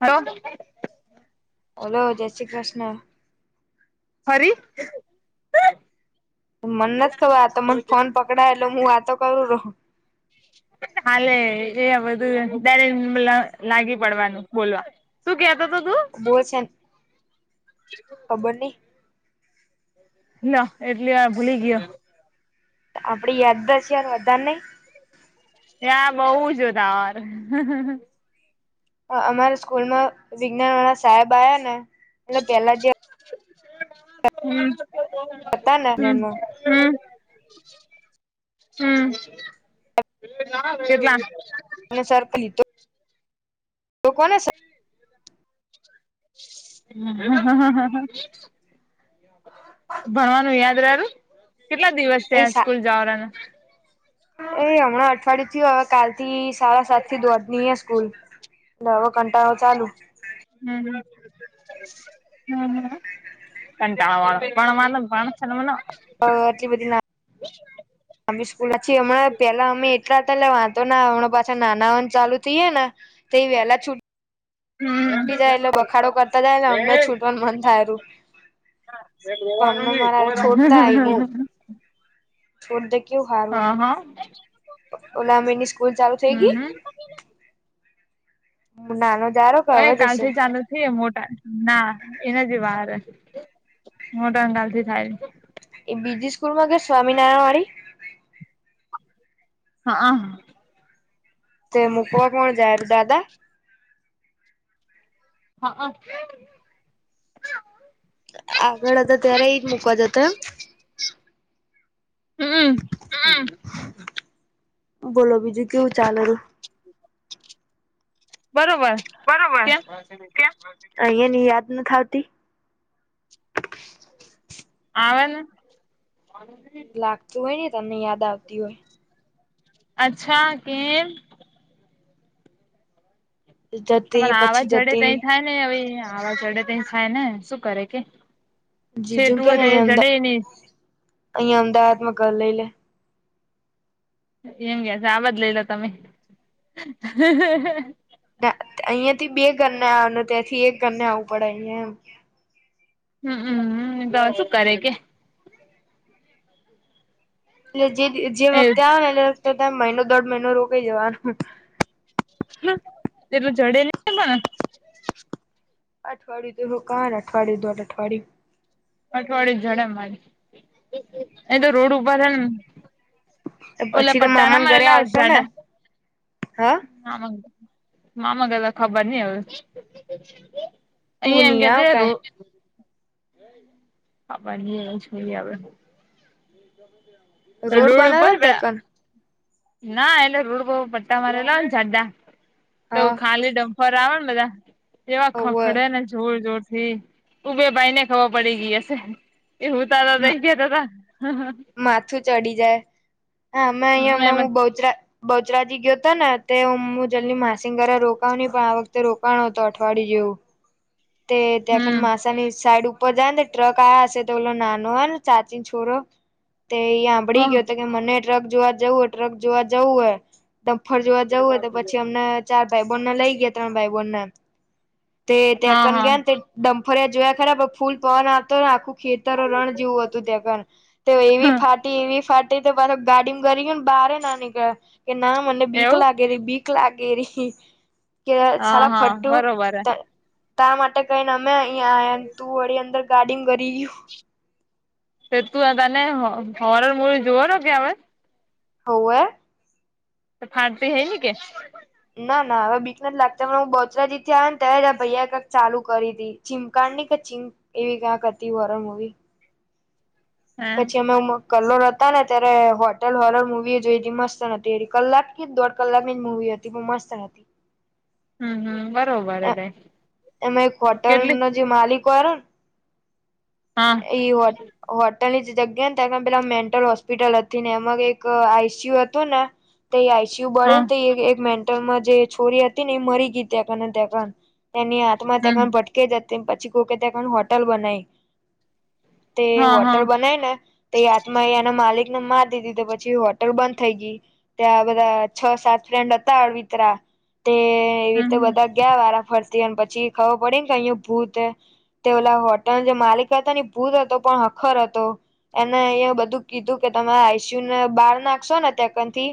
Hello hello જય શ્રી કૃષ્ણ ખરી. મને તો આ તો મન ફોન પકડાય એટલે હું વાતો કરું રહું હાલે એ બધું લાગી પડવાનું બોલવા શું કેતો તું બો છે. ખબર નહી. લ એટલી આ ભૂલી ગયો. આપડી યાદદાસ યાર વધાર નહી. ત્યા બઉ જોદાર અમારા સ્કૂલમાં વિજ્ઞાન વાળા સાહેબ આવ્યા ને એટલે પેલા જે હમ હતા ને એમને હમ હમ હમ કેટલા? અને સર્પ લીટે [inaudible] હ હ હ ભણવાનું યાદ રારું કેટલા દિવસ એ ત્યાં સ્કૂલ જવાના એ હમણાં અઠવાડિયું થિયું કાલથી સાડા સાત થી દોડની ની સ્કૂલ લે અવે કંટાળો ચાલુ. હમ હ હ કંટાવા ભણવાનું [unintelligible] આટલી બધી લા સ્કૂલછી હમણાં પેલા અમે એટલા પેલા પેલા હમણાં પાછો નાના વન ચાલુ થયું ને તો વહેલા છુ ટી જાય એટલે બખાડો કરતા જાય ને અમને છૂટવાનું મન થાય રુ રહેવાનું નહી. મારા છોડતા આય નહી છોડ ડે કેવું હારવું અ ઓલામની સ્કૂલ ચાલુ થઈ ગઈ હમ હમ હ નાનો જારો કે અ હવે કાલ જશે થી ચાલુ થઈ મોટા ના એના જ વાર મોટંગાલથી થાય એ બીજી સ્કૂલમાં છે સ્વામી નારાયણવાડી હા તે મૂકવા કોણ જાય દાદા હા અ આગળ હતા ત્યારે એ જ મુકવા જતા હમ. બોલો બીજું કેવું ચાલું બરોબર બરોબર કેમ ક્યા અ ની યાદ ન આવતી, આવવાનું લાગતું હોય ને તમને યાદ આવતી હોય, અચ્છા કેમ, જતી રહી પણ આવા પછી જડે જતી તય રહી થાય નેવે વાવા ચડે ત થાય ને શું કરે કે જીજુ છેટું કે હો ને ર અહિયાં અમદા જડે ને અહિયાં અમદાવાદમાં ઘર લઈ લે એમ કે છે, આ બજ લઈ લો તમે ના, અહિયાંથી બે ઘરને આવ ત્યાંથી એક ઘર ને આવવું પડે અહિયાં એમ હમમ તો શું કરે કે, [unintelligible] જે જે એ વખતે, આવે એને વખ ત્યાં મહિનો દોઢ મહિનો રોકાય જવા. એટલે જડે નહી, પણ અઠવાડીીયું તો રોકવાના અઠવાડીય, દોઢ અઠવાડીીયું. અઠવાડિય જડે મારી એ તો રોડ ઉપર છે ને, પછી તો મામાને ઘરે આવશો ને, જાડા હા. ના મામા ગયેલા ખબર નહી હવે. અહીં તું એમ નહી કેદ આવ [unintelligible] કાઈ રું આપ આવે. રોડ બનાવે ને તે ઉપર પણ ના એટલે રોડ બહુ પટ્ટા મારેલા હોયને જાડા. તોું હા ખાલી ડમ્ફર આવે ને બધા [inaudible] એવા હોવે ખખડે ને જોર જોરથી હ ઉભે ભાઈ ને ખબર પડી ગઈ હશે. એવું તાારા ગ દ હતાા [unintelligible] હમ્મ હમ્મ માથું ચડી જાય. હા, અમે અહીિયાં હમણાં એમ જ હું બહુચરા બહુચરાજી ગયો હતો ને તે હું જલ્દી માસીના ઘરે રોકાવ નહી, પણ આ વખતે રોકાણો હતો અઠવાડિય જેવું. તે ઢાંકણ હમ મા વાસણ ની સાડુ. બધાને જ ટ્ટક્ આયા છે તો ઊલો ના નોન ચાચી છોરો. તે એં હ હાભળી ગયો તો કે મને ટ્રક જોવા જવું હોય ટ્રક જોવા જવું હોય દમફર જોવા જવું હોય તો પછી અમને ચાર ભાઈબણ ના લઈ ગયા ત્રણ ભાઈબણને તે ત્યાં [unintelligible] હા હા ગયા તે ડમ. ફર્યા જોયા કરે ફૂલ પવન આવતો હોય આખું ખેતરો રણ જેવું હતું ત્યાં પણ તે એવી ફાટી એવી ફાટી તે ગાડી કરી ગઈ બાહરના નીકળ્યા. કે, ના મને બીક એવું લાગેરે બીક. લાગેરી. કે હા સલા હા ફટું બરોબર હે તા માટે કઈ અ અહીં આ તું વળ અંદર ગાર્ડિંગ કરીયું તે તું તને હોર મળ જોુવાનોો કે હવે હોવ એ તો ફાટ હઈન કે ના ના હવે બીક નથી લાગતી ત હું બોચરાજીથી આવ ને ત્યા જ આ ભૈયા ક્યાંક ચાલુ કરી હતી ચિમકાડ ની કે ચીમ એવી ક્યાંક હતી વરણ મવી હા પછી અમે કલો હતા ને ત્યારે હોટેલ હોરર મુવી જોઈ મસ્ત નથી એ કલાક દોઢ કલાક ની જ મુવી હતી બહ મસ્ત નથી હમ હમ બરોબર હ તાઈ કેટલી કરણ હા એ હોટ વટ ની જગ્યા ને ત પેલા મેન્ટલ હોસ્પિટલ હતી ને એમાં એક આઈસીયુ હતું ને તે આઈસીયું હા બળેન એકન લમાં જે છોરી હતી ને એ મરી ગઈ તંકંકન તેમની હમ આત્મહત્યા કર ભટકે જ તેમ પછી કો કે ત્યાં હોટેલ બનાવી તે હા હા હોટર બનાય ને તે આત્મા એના માલિક મા દીધી તો પછી હોટલ બંધ થઈ ગઈ ત્યાં બધા છ સાત ફ્રેન્ડ હતા અળવિતરા તે એવી રીતે હમ બધા ગયા વારા ફર ધ્યાન પછી ખબર પડી ને કે અહીં ભૂત તો ઓલા હોટલ જે માલિક હતા ને ભૂત હતો પણ હખર હતો એને અયા બધું કીધું કે તમે આઈ સી યુ ને બહાર નાખશો ને તેકથી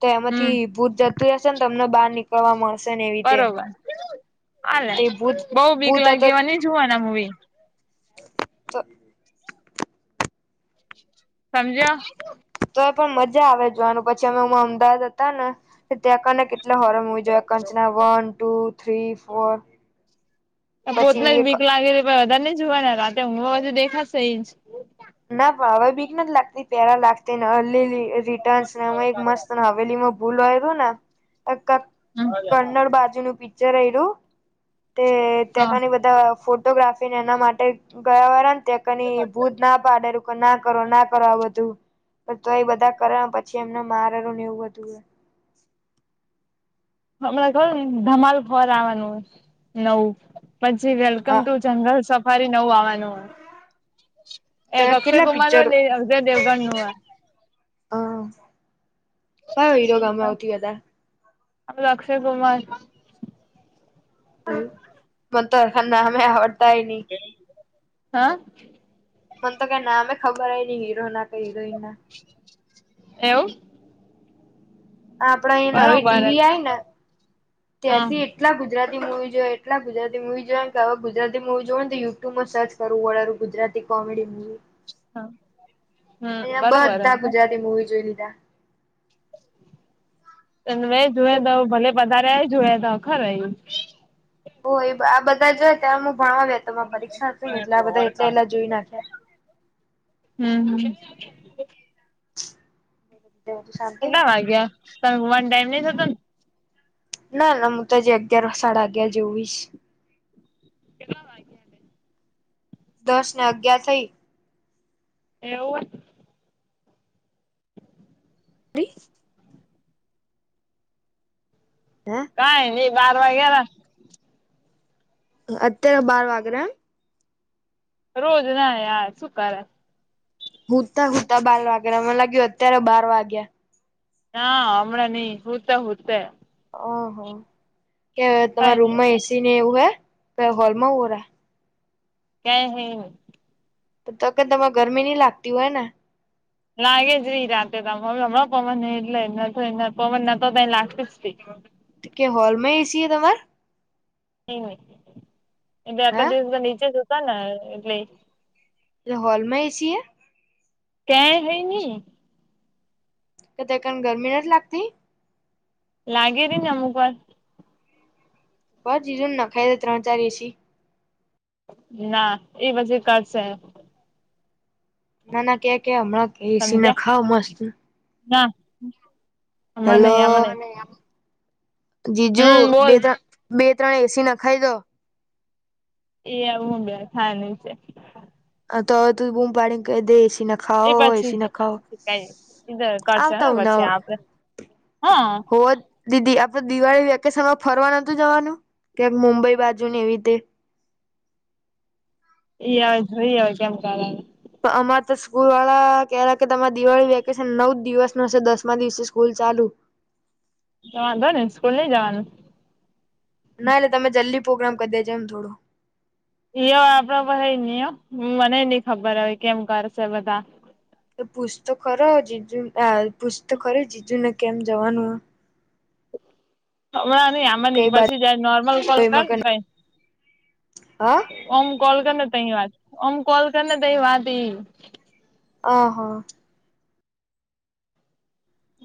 તો હમ એમાંથી ભૂત જતી હશે ને તો તમને બહાર નીકળવા મળશે ને એવી રીતે. હાલેે તે ભૂત બઉ બીક ભૂત હતો લાગેવા ની જોવાના મુવી. તો. સમજ્યા. તો પણ મજા આવે જોવાનું પછી અમે હ અમદાવાદ હતા ને ત્યાં કનેકે એટલા હોરમ હો જો Kanchana one two three four પોતના જ પછી એક બીક લાગે છે ભાઈ તને જોવાના રાતે હુંગમા બધું દેખાશે એ જ. ના પણ હવે બીક નથી લાગતી ત્યારે લાગતી લીલી રિટસના માં એક મસ્ત હાવેલીમાં ભૂલાય [unintelligible] [unintelligible] કરનડ બાજુનું પી જ્યારે આયરૂ તે હા ત્યાંના ની બધા ફોટોગ્રાફી એના માટે ગયા વાર તે કની બૂુત ના પારેડુ પણ ના કરોના કરા વ અતુ તો એ બધા કરે પછી એમને મારે ને એવું બધું. હમણાં ખબર ધમાલ ફર આવવાનું નવું. પછી વેલકમ હા ટુ જનરલ શ ફરી નવ આવવાનું. તો એક અક્ષય કેટલા કુમાર પિક્ચર નું ને અક્ષય દેવગણ નું. હ કયો હીરો ગમે હૌથી વધારે પેલો અક્ષય કુમાર. મ તો ખણે નામે આવડ તાયની હા. મને તો ક નામે ખબર હ નઈ હીરો ના કઈી. કઈ ના. એવું આપડ અહીયા નવી ટી બરોબર વી જ આય ને. હા ત્યારથી એટલા ગુજરાતી મુવી જોએ એટલા ગુજરાતી મુવી જોય કે હવે ગુજરાતી મુવી જો ને તો યુટ્યુબમાં સર્ચ કરવું વળરું ગુજરાતી કોમેડી મૂવી. હા. હમ અહીંયા બરોબર બધા હ ગુજરાતી મૂવી જોઈ લી ટા. તેન મેં જોએ દઉં ભલે બધા તેએ જોયા થા અખારે. હો એ આ બધા જોયા કે અમુક ભણવા ગયા થા તોમાં પરીક્ષા હતી ને એટલે આ બધા એટલે લા જોઈ નાખ્યા. હમ્મ, હમ્મ. [inaudible] શાંતિ કેટલા વાગ્યા? તન વન ટાઈમ નહીં થતો ન? ના ના હું તો જે અગિયાર સાડા અગિયાર જે હુઈશ. કેટલા વાગ્યા ને? દસ ને અગયાર થઇ. એવુંવે? ત્રી. હે કાઈ ની વાર વાગ યારા. અત્યારે બાર વાગરા? રોજ ના યાર શું કરે. હું ત હું ત બાર વાગ્યા ના મને લાગ્યું અત્યારે બાર વાગ્યા. ના હમણાં નહીં હુંતે હુંતે. ઓ હો. કે તમારા રૂમમાં ક્યાંય એ સી ને એવું હૈ? તોએ હોલમાં હું રે. કેહ હૈ. તો કે તમે ગરમી નહીં લાગતી હોય ને? લાગે જ રી રાતેરા તમે હવે હમણાં પવન એટલે પવન ના તો ત લાગતીજ થી. તો કે હોલ માં એ સી હ તમાર? નહીં હોય. એટલે આટલા હા દિવસમાં નીચે જો ત ને એટલે એ એલો હોલ માં એ સી હૈ. કે હૈ ની? કે તે કણ ગરમી નથ લાગતી? લાગે રેને અમુક વાર. પ જીજું નાખાઈ ત્રણ ચાર એ સી. ના એ પછી કરશે. ના ના કે કે હમણાં કે એ સી ને સમજ્યા ખાઓ મસ્ત. ના. આમાં હેલો નહી આમાં નહી જી જો હમ બે બોલ ત બે ત્રણ એસી ના ખાઈ દો એ આવુંડ હાનું છે, તો તું બૂમ પાડી દેશ એ પછી પછી કધ કરશે, આવતા પછી ઉનાળો આપડે હા હોવ દીદી આપડ દિવાળી વેકેશન માં ફરવા નતું જવાનું ક્યાંક મુંબઈ બાજુ ને એવી રીતે એ આવ જોઈ કેમ કરે પણ અમારે તો સ્કૂલ વાળા ક કે તમારે દિવાળી વેકેશન નવ જ દિવસ ન હશે, દસમા દિવસે સ્કૂલ ચાલુ જવા તો ને સ્કૂલ નઈ જવાનું ના એટલે તમે જલ્દી પ્રોગ્રામ ક છે, એમ થોડો યો આપડ યો મને નહ ખબર હ કેમ કરશે, બધા તો પૂછતો ખરો જીજુ પૂછત ખરી જીજુ ને કેમ જવાનું [inaudible] હમણાં નહી, આમાં કઈ ન બાજુ પછી જાય નોર્મલ કોલ કર ને એમાં કઈ હા હ ઓમ કોલ કર ને તની વાત અમ કોલ કરી ને તઈ વાત એઈ હ હા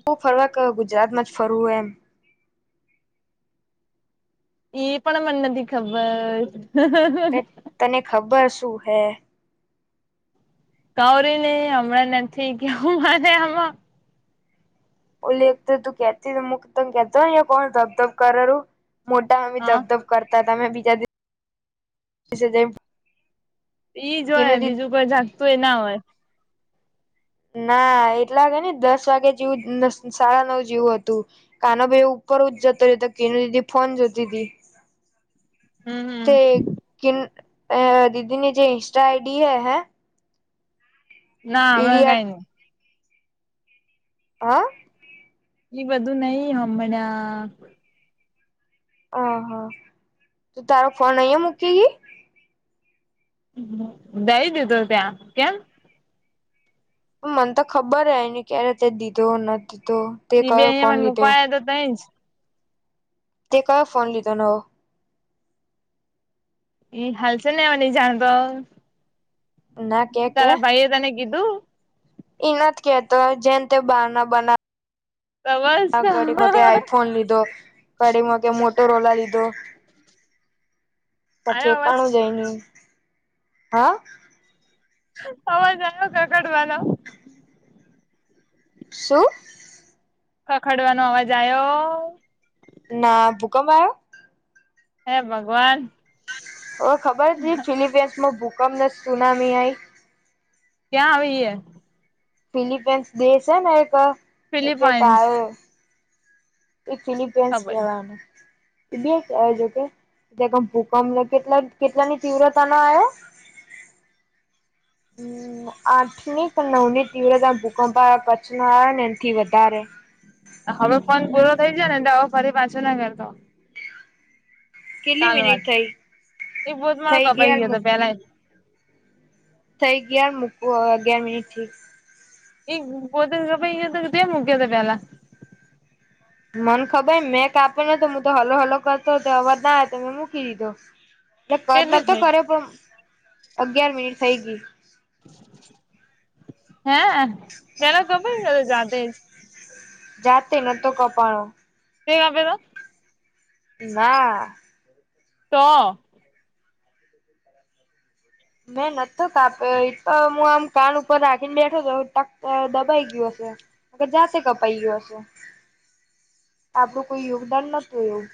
શું ફરવા ક ગુજરાતમાં જ ફરવું હોય, એમ એ પણ મને નથી, ખબર તને ખબર તું હે કૌરી નને હમણાં નથી, કેવું મને આમાં ઓ લખ તું કેતી ત કેતો કોણ ધબધબ કરેું, મોટા હમે હા ધબધબ કરતા તમે બીજા દિવ જ ઈ જ હોય, બીજું કો જાગતું એ ના હોય. ના, એટલાાગે ને દસ વાગે જેવું સાડા નવ જેવું હતું, કાનો ભાઈ ઉપર જ જતો રહ્યો તો કેનું દીધી ફોન જતી હતી, હમ હમ તે કેન અ દીદી ની જે ઇન્સ્ટા આઈડી હૈ હે ના હમણાં કઈ એરિયા નહી, હ એ બધું નહિ હમને હહા તો તારો ફોન અહં મૂકી ગઈ, જઈ દીધું ત્યાં કેમ, મને તો ખબર હ એને ક્યારે તે દીધો નથી, દીધો તે એઈ બે કયો અહી ફોન મને મો લીધો ઉપયા તો તઈ જ તે કયો ફોન લીધો નવો એ હાલ છે, નેવા ન જાણતો ના તારા ભાઈએ તને કીધું એઈ નથી કેતો જેમ તે બહાર ના બનાવ તો બસ હા કડી મકે આયો આઈફોન લીધો કડી મગ કે મોટરોલા લીધો દો ત અવાજ ઠેકાણું જઈ ન હા અવાજ આવ્યો કકડવાનો શું ખખાડવાનો અવાજ આવ્યો ના ભૂકંપ આવ્યો હે ભગવાન ઓ ખબર છે ફિલીપિન્સમાં ભુ કમને સુનામી આઈ ક્યાં આવીએ ફિલિપિન્સ દેશ એને એક એ કે ફિલિપાઈન્સ કાય એ ફિલિપીન્સ ખબર કવાનું એ બી કજ કેમ ભૂકંપ કેટલા કેટલાની તીવ્રતા ન હમ્મ આઠ ની કે નવ ની તીવ્રતા ભૂકંપ પચનો આવે ને એથી વધારે હવે ફોન પૂરો થઈ જાય ને એ ફરી પાછો નહીં કરતો કેટલી ચાલ વાત મિનિટ થઈ એ [unintelligible] થઈ કપાઈ ગયા ગયો મુ હતો પેલા થઈ ગયા મૂક હવે અગિયાર મિનિટથી એ પોતેજ કપાઈ ગયો તો કે તે મુકીયો પેલા મને ખબર મેં કાપેલો ન હું તો હલો હલો કરતો હતો અવાજ ના આવે તો મેં મૂકી દીધો એટલે કટ કેટલું નતો છે કરે પણ અગયાર મિનિટ થઈ ગઈ [inaudible] હે પેલા કાપાય ગીયો તો જાતે જ જાતે નતો કપાણો તે કાપેલો ના તો મેં નત કાપ્યો એ તો હું આમ કાન ઉપર રાખીને બેઠો હતો ટક દબાઈ ગયો હશે જાતે કપાઈ ગયો હશે આપડું કોઈ યોગદાન નતું એવું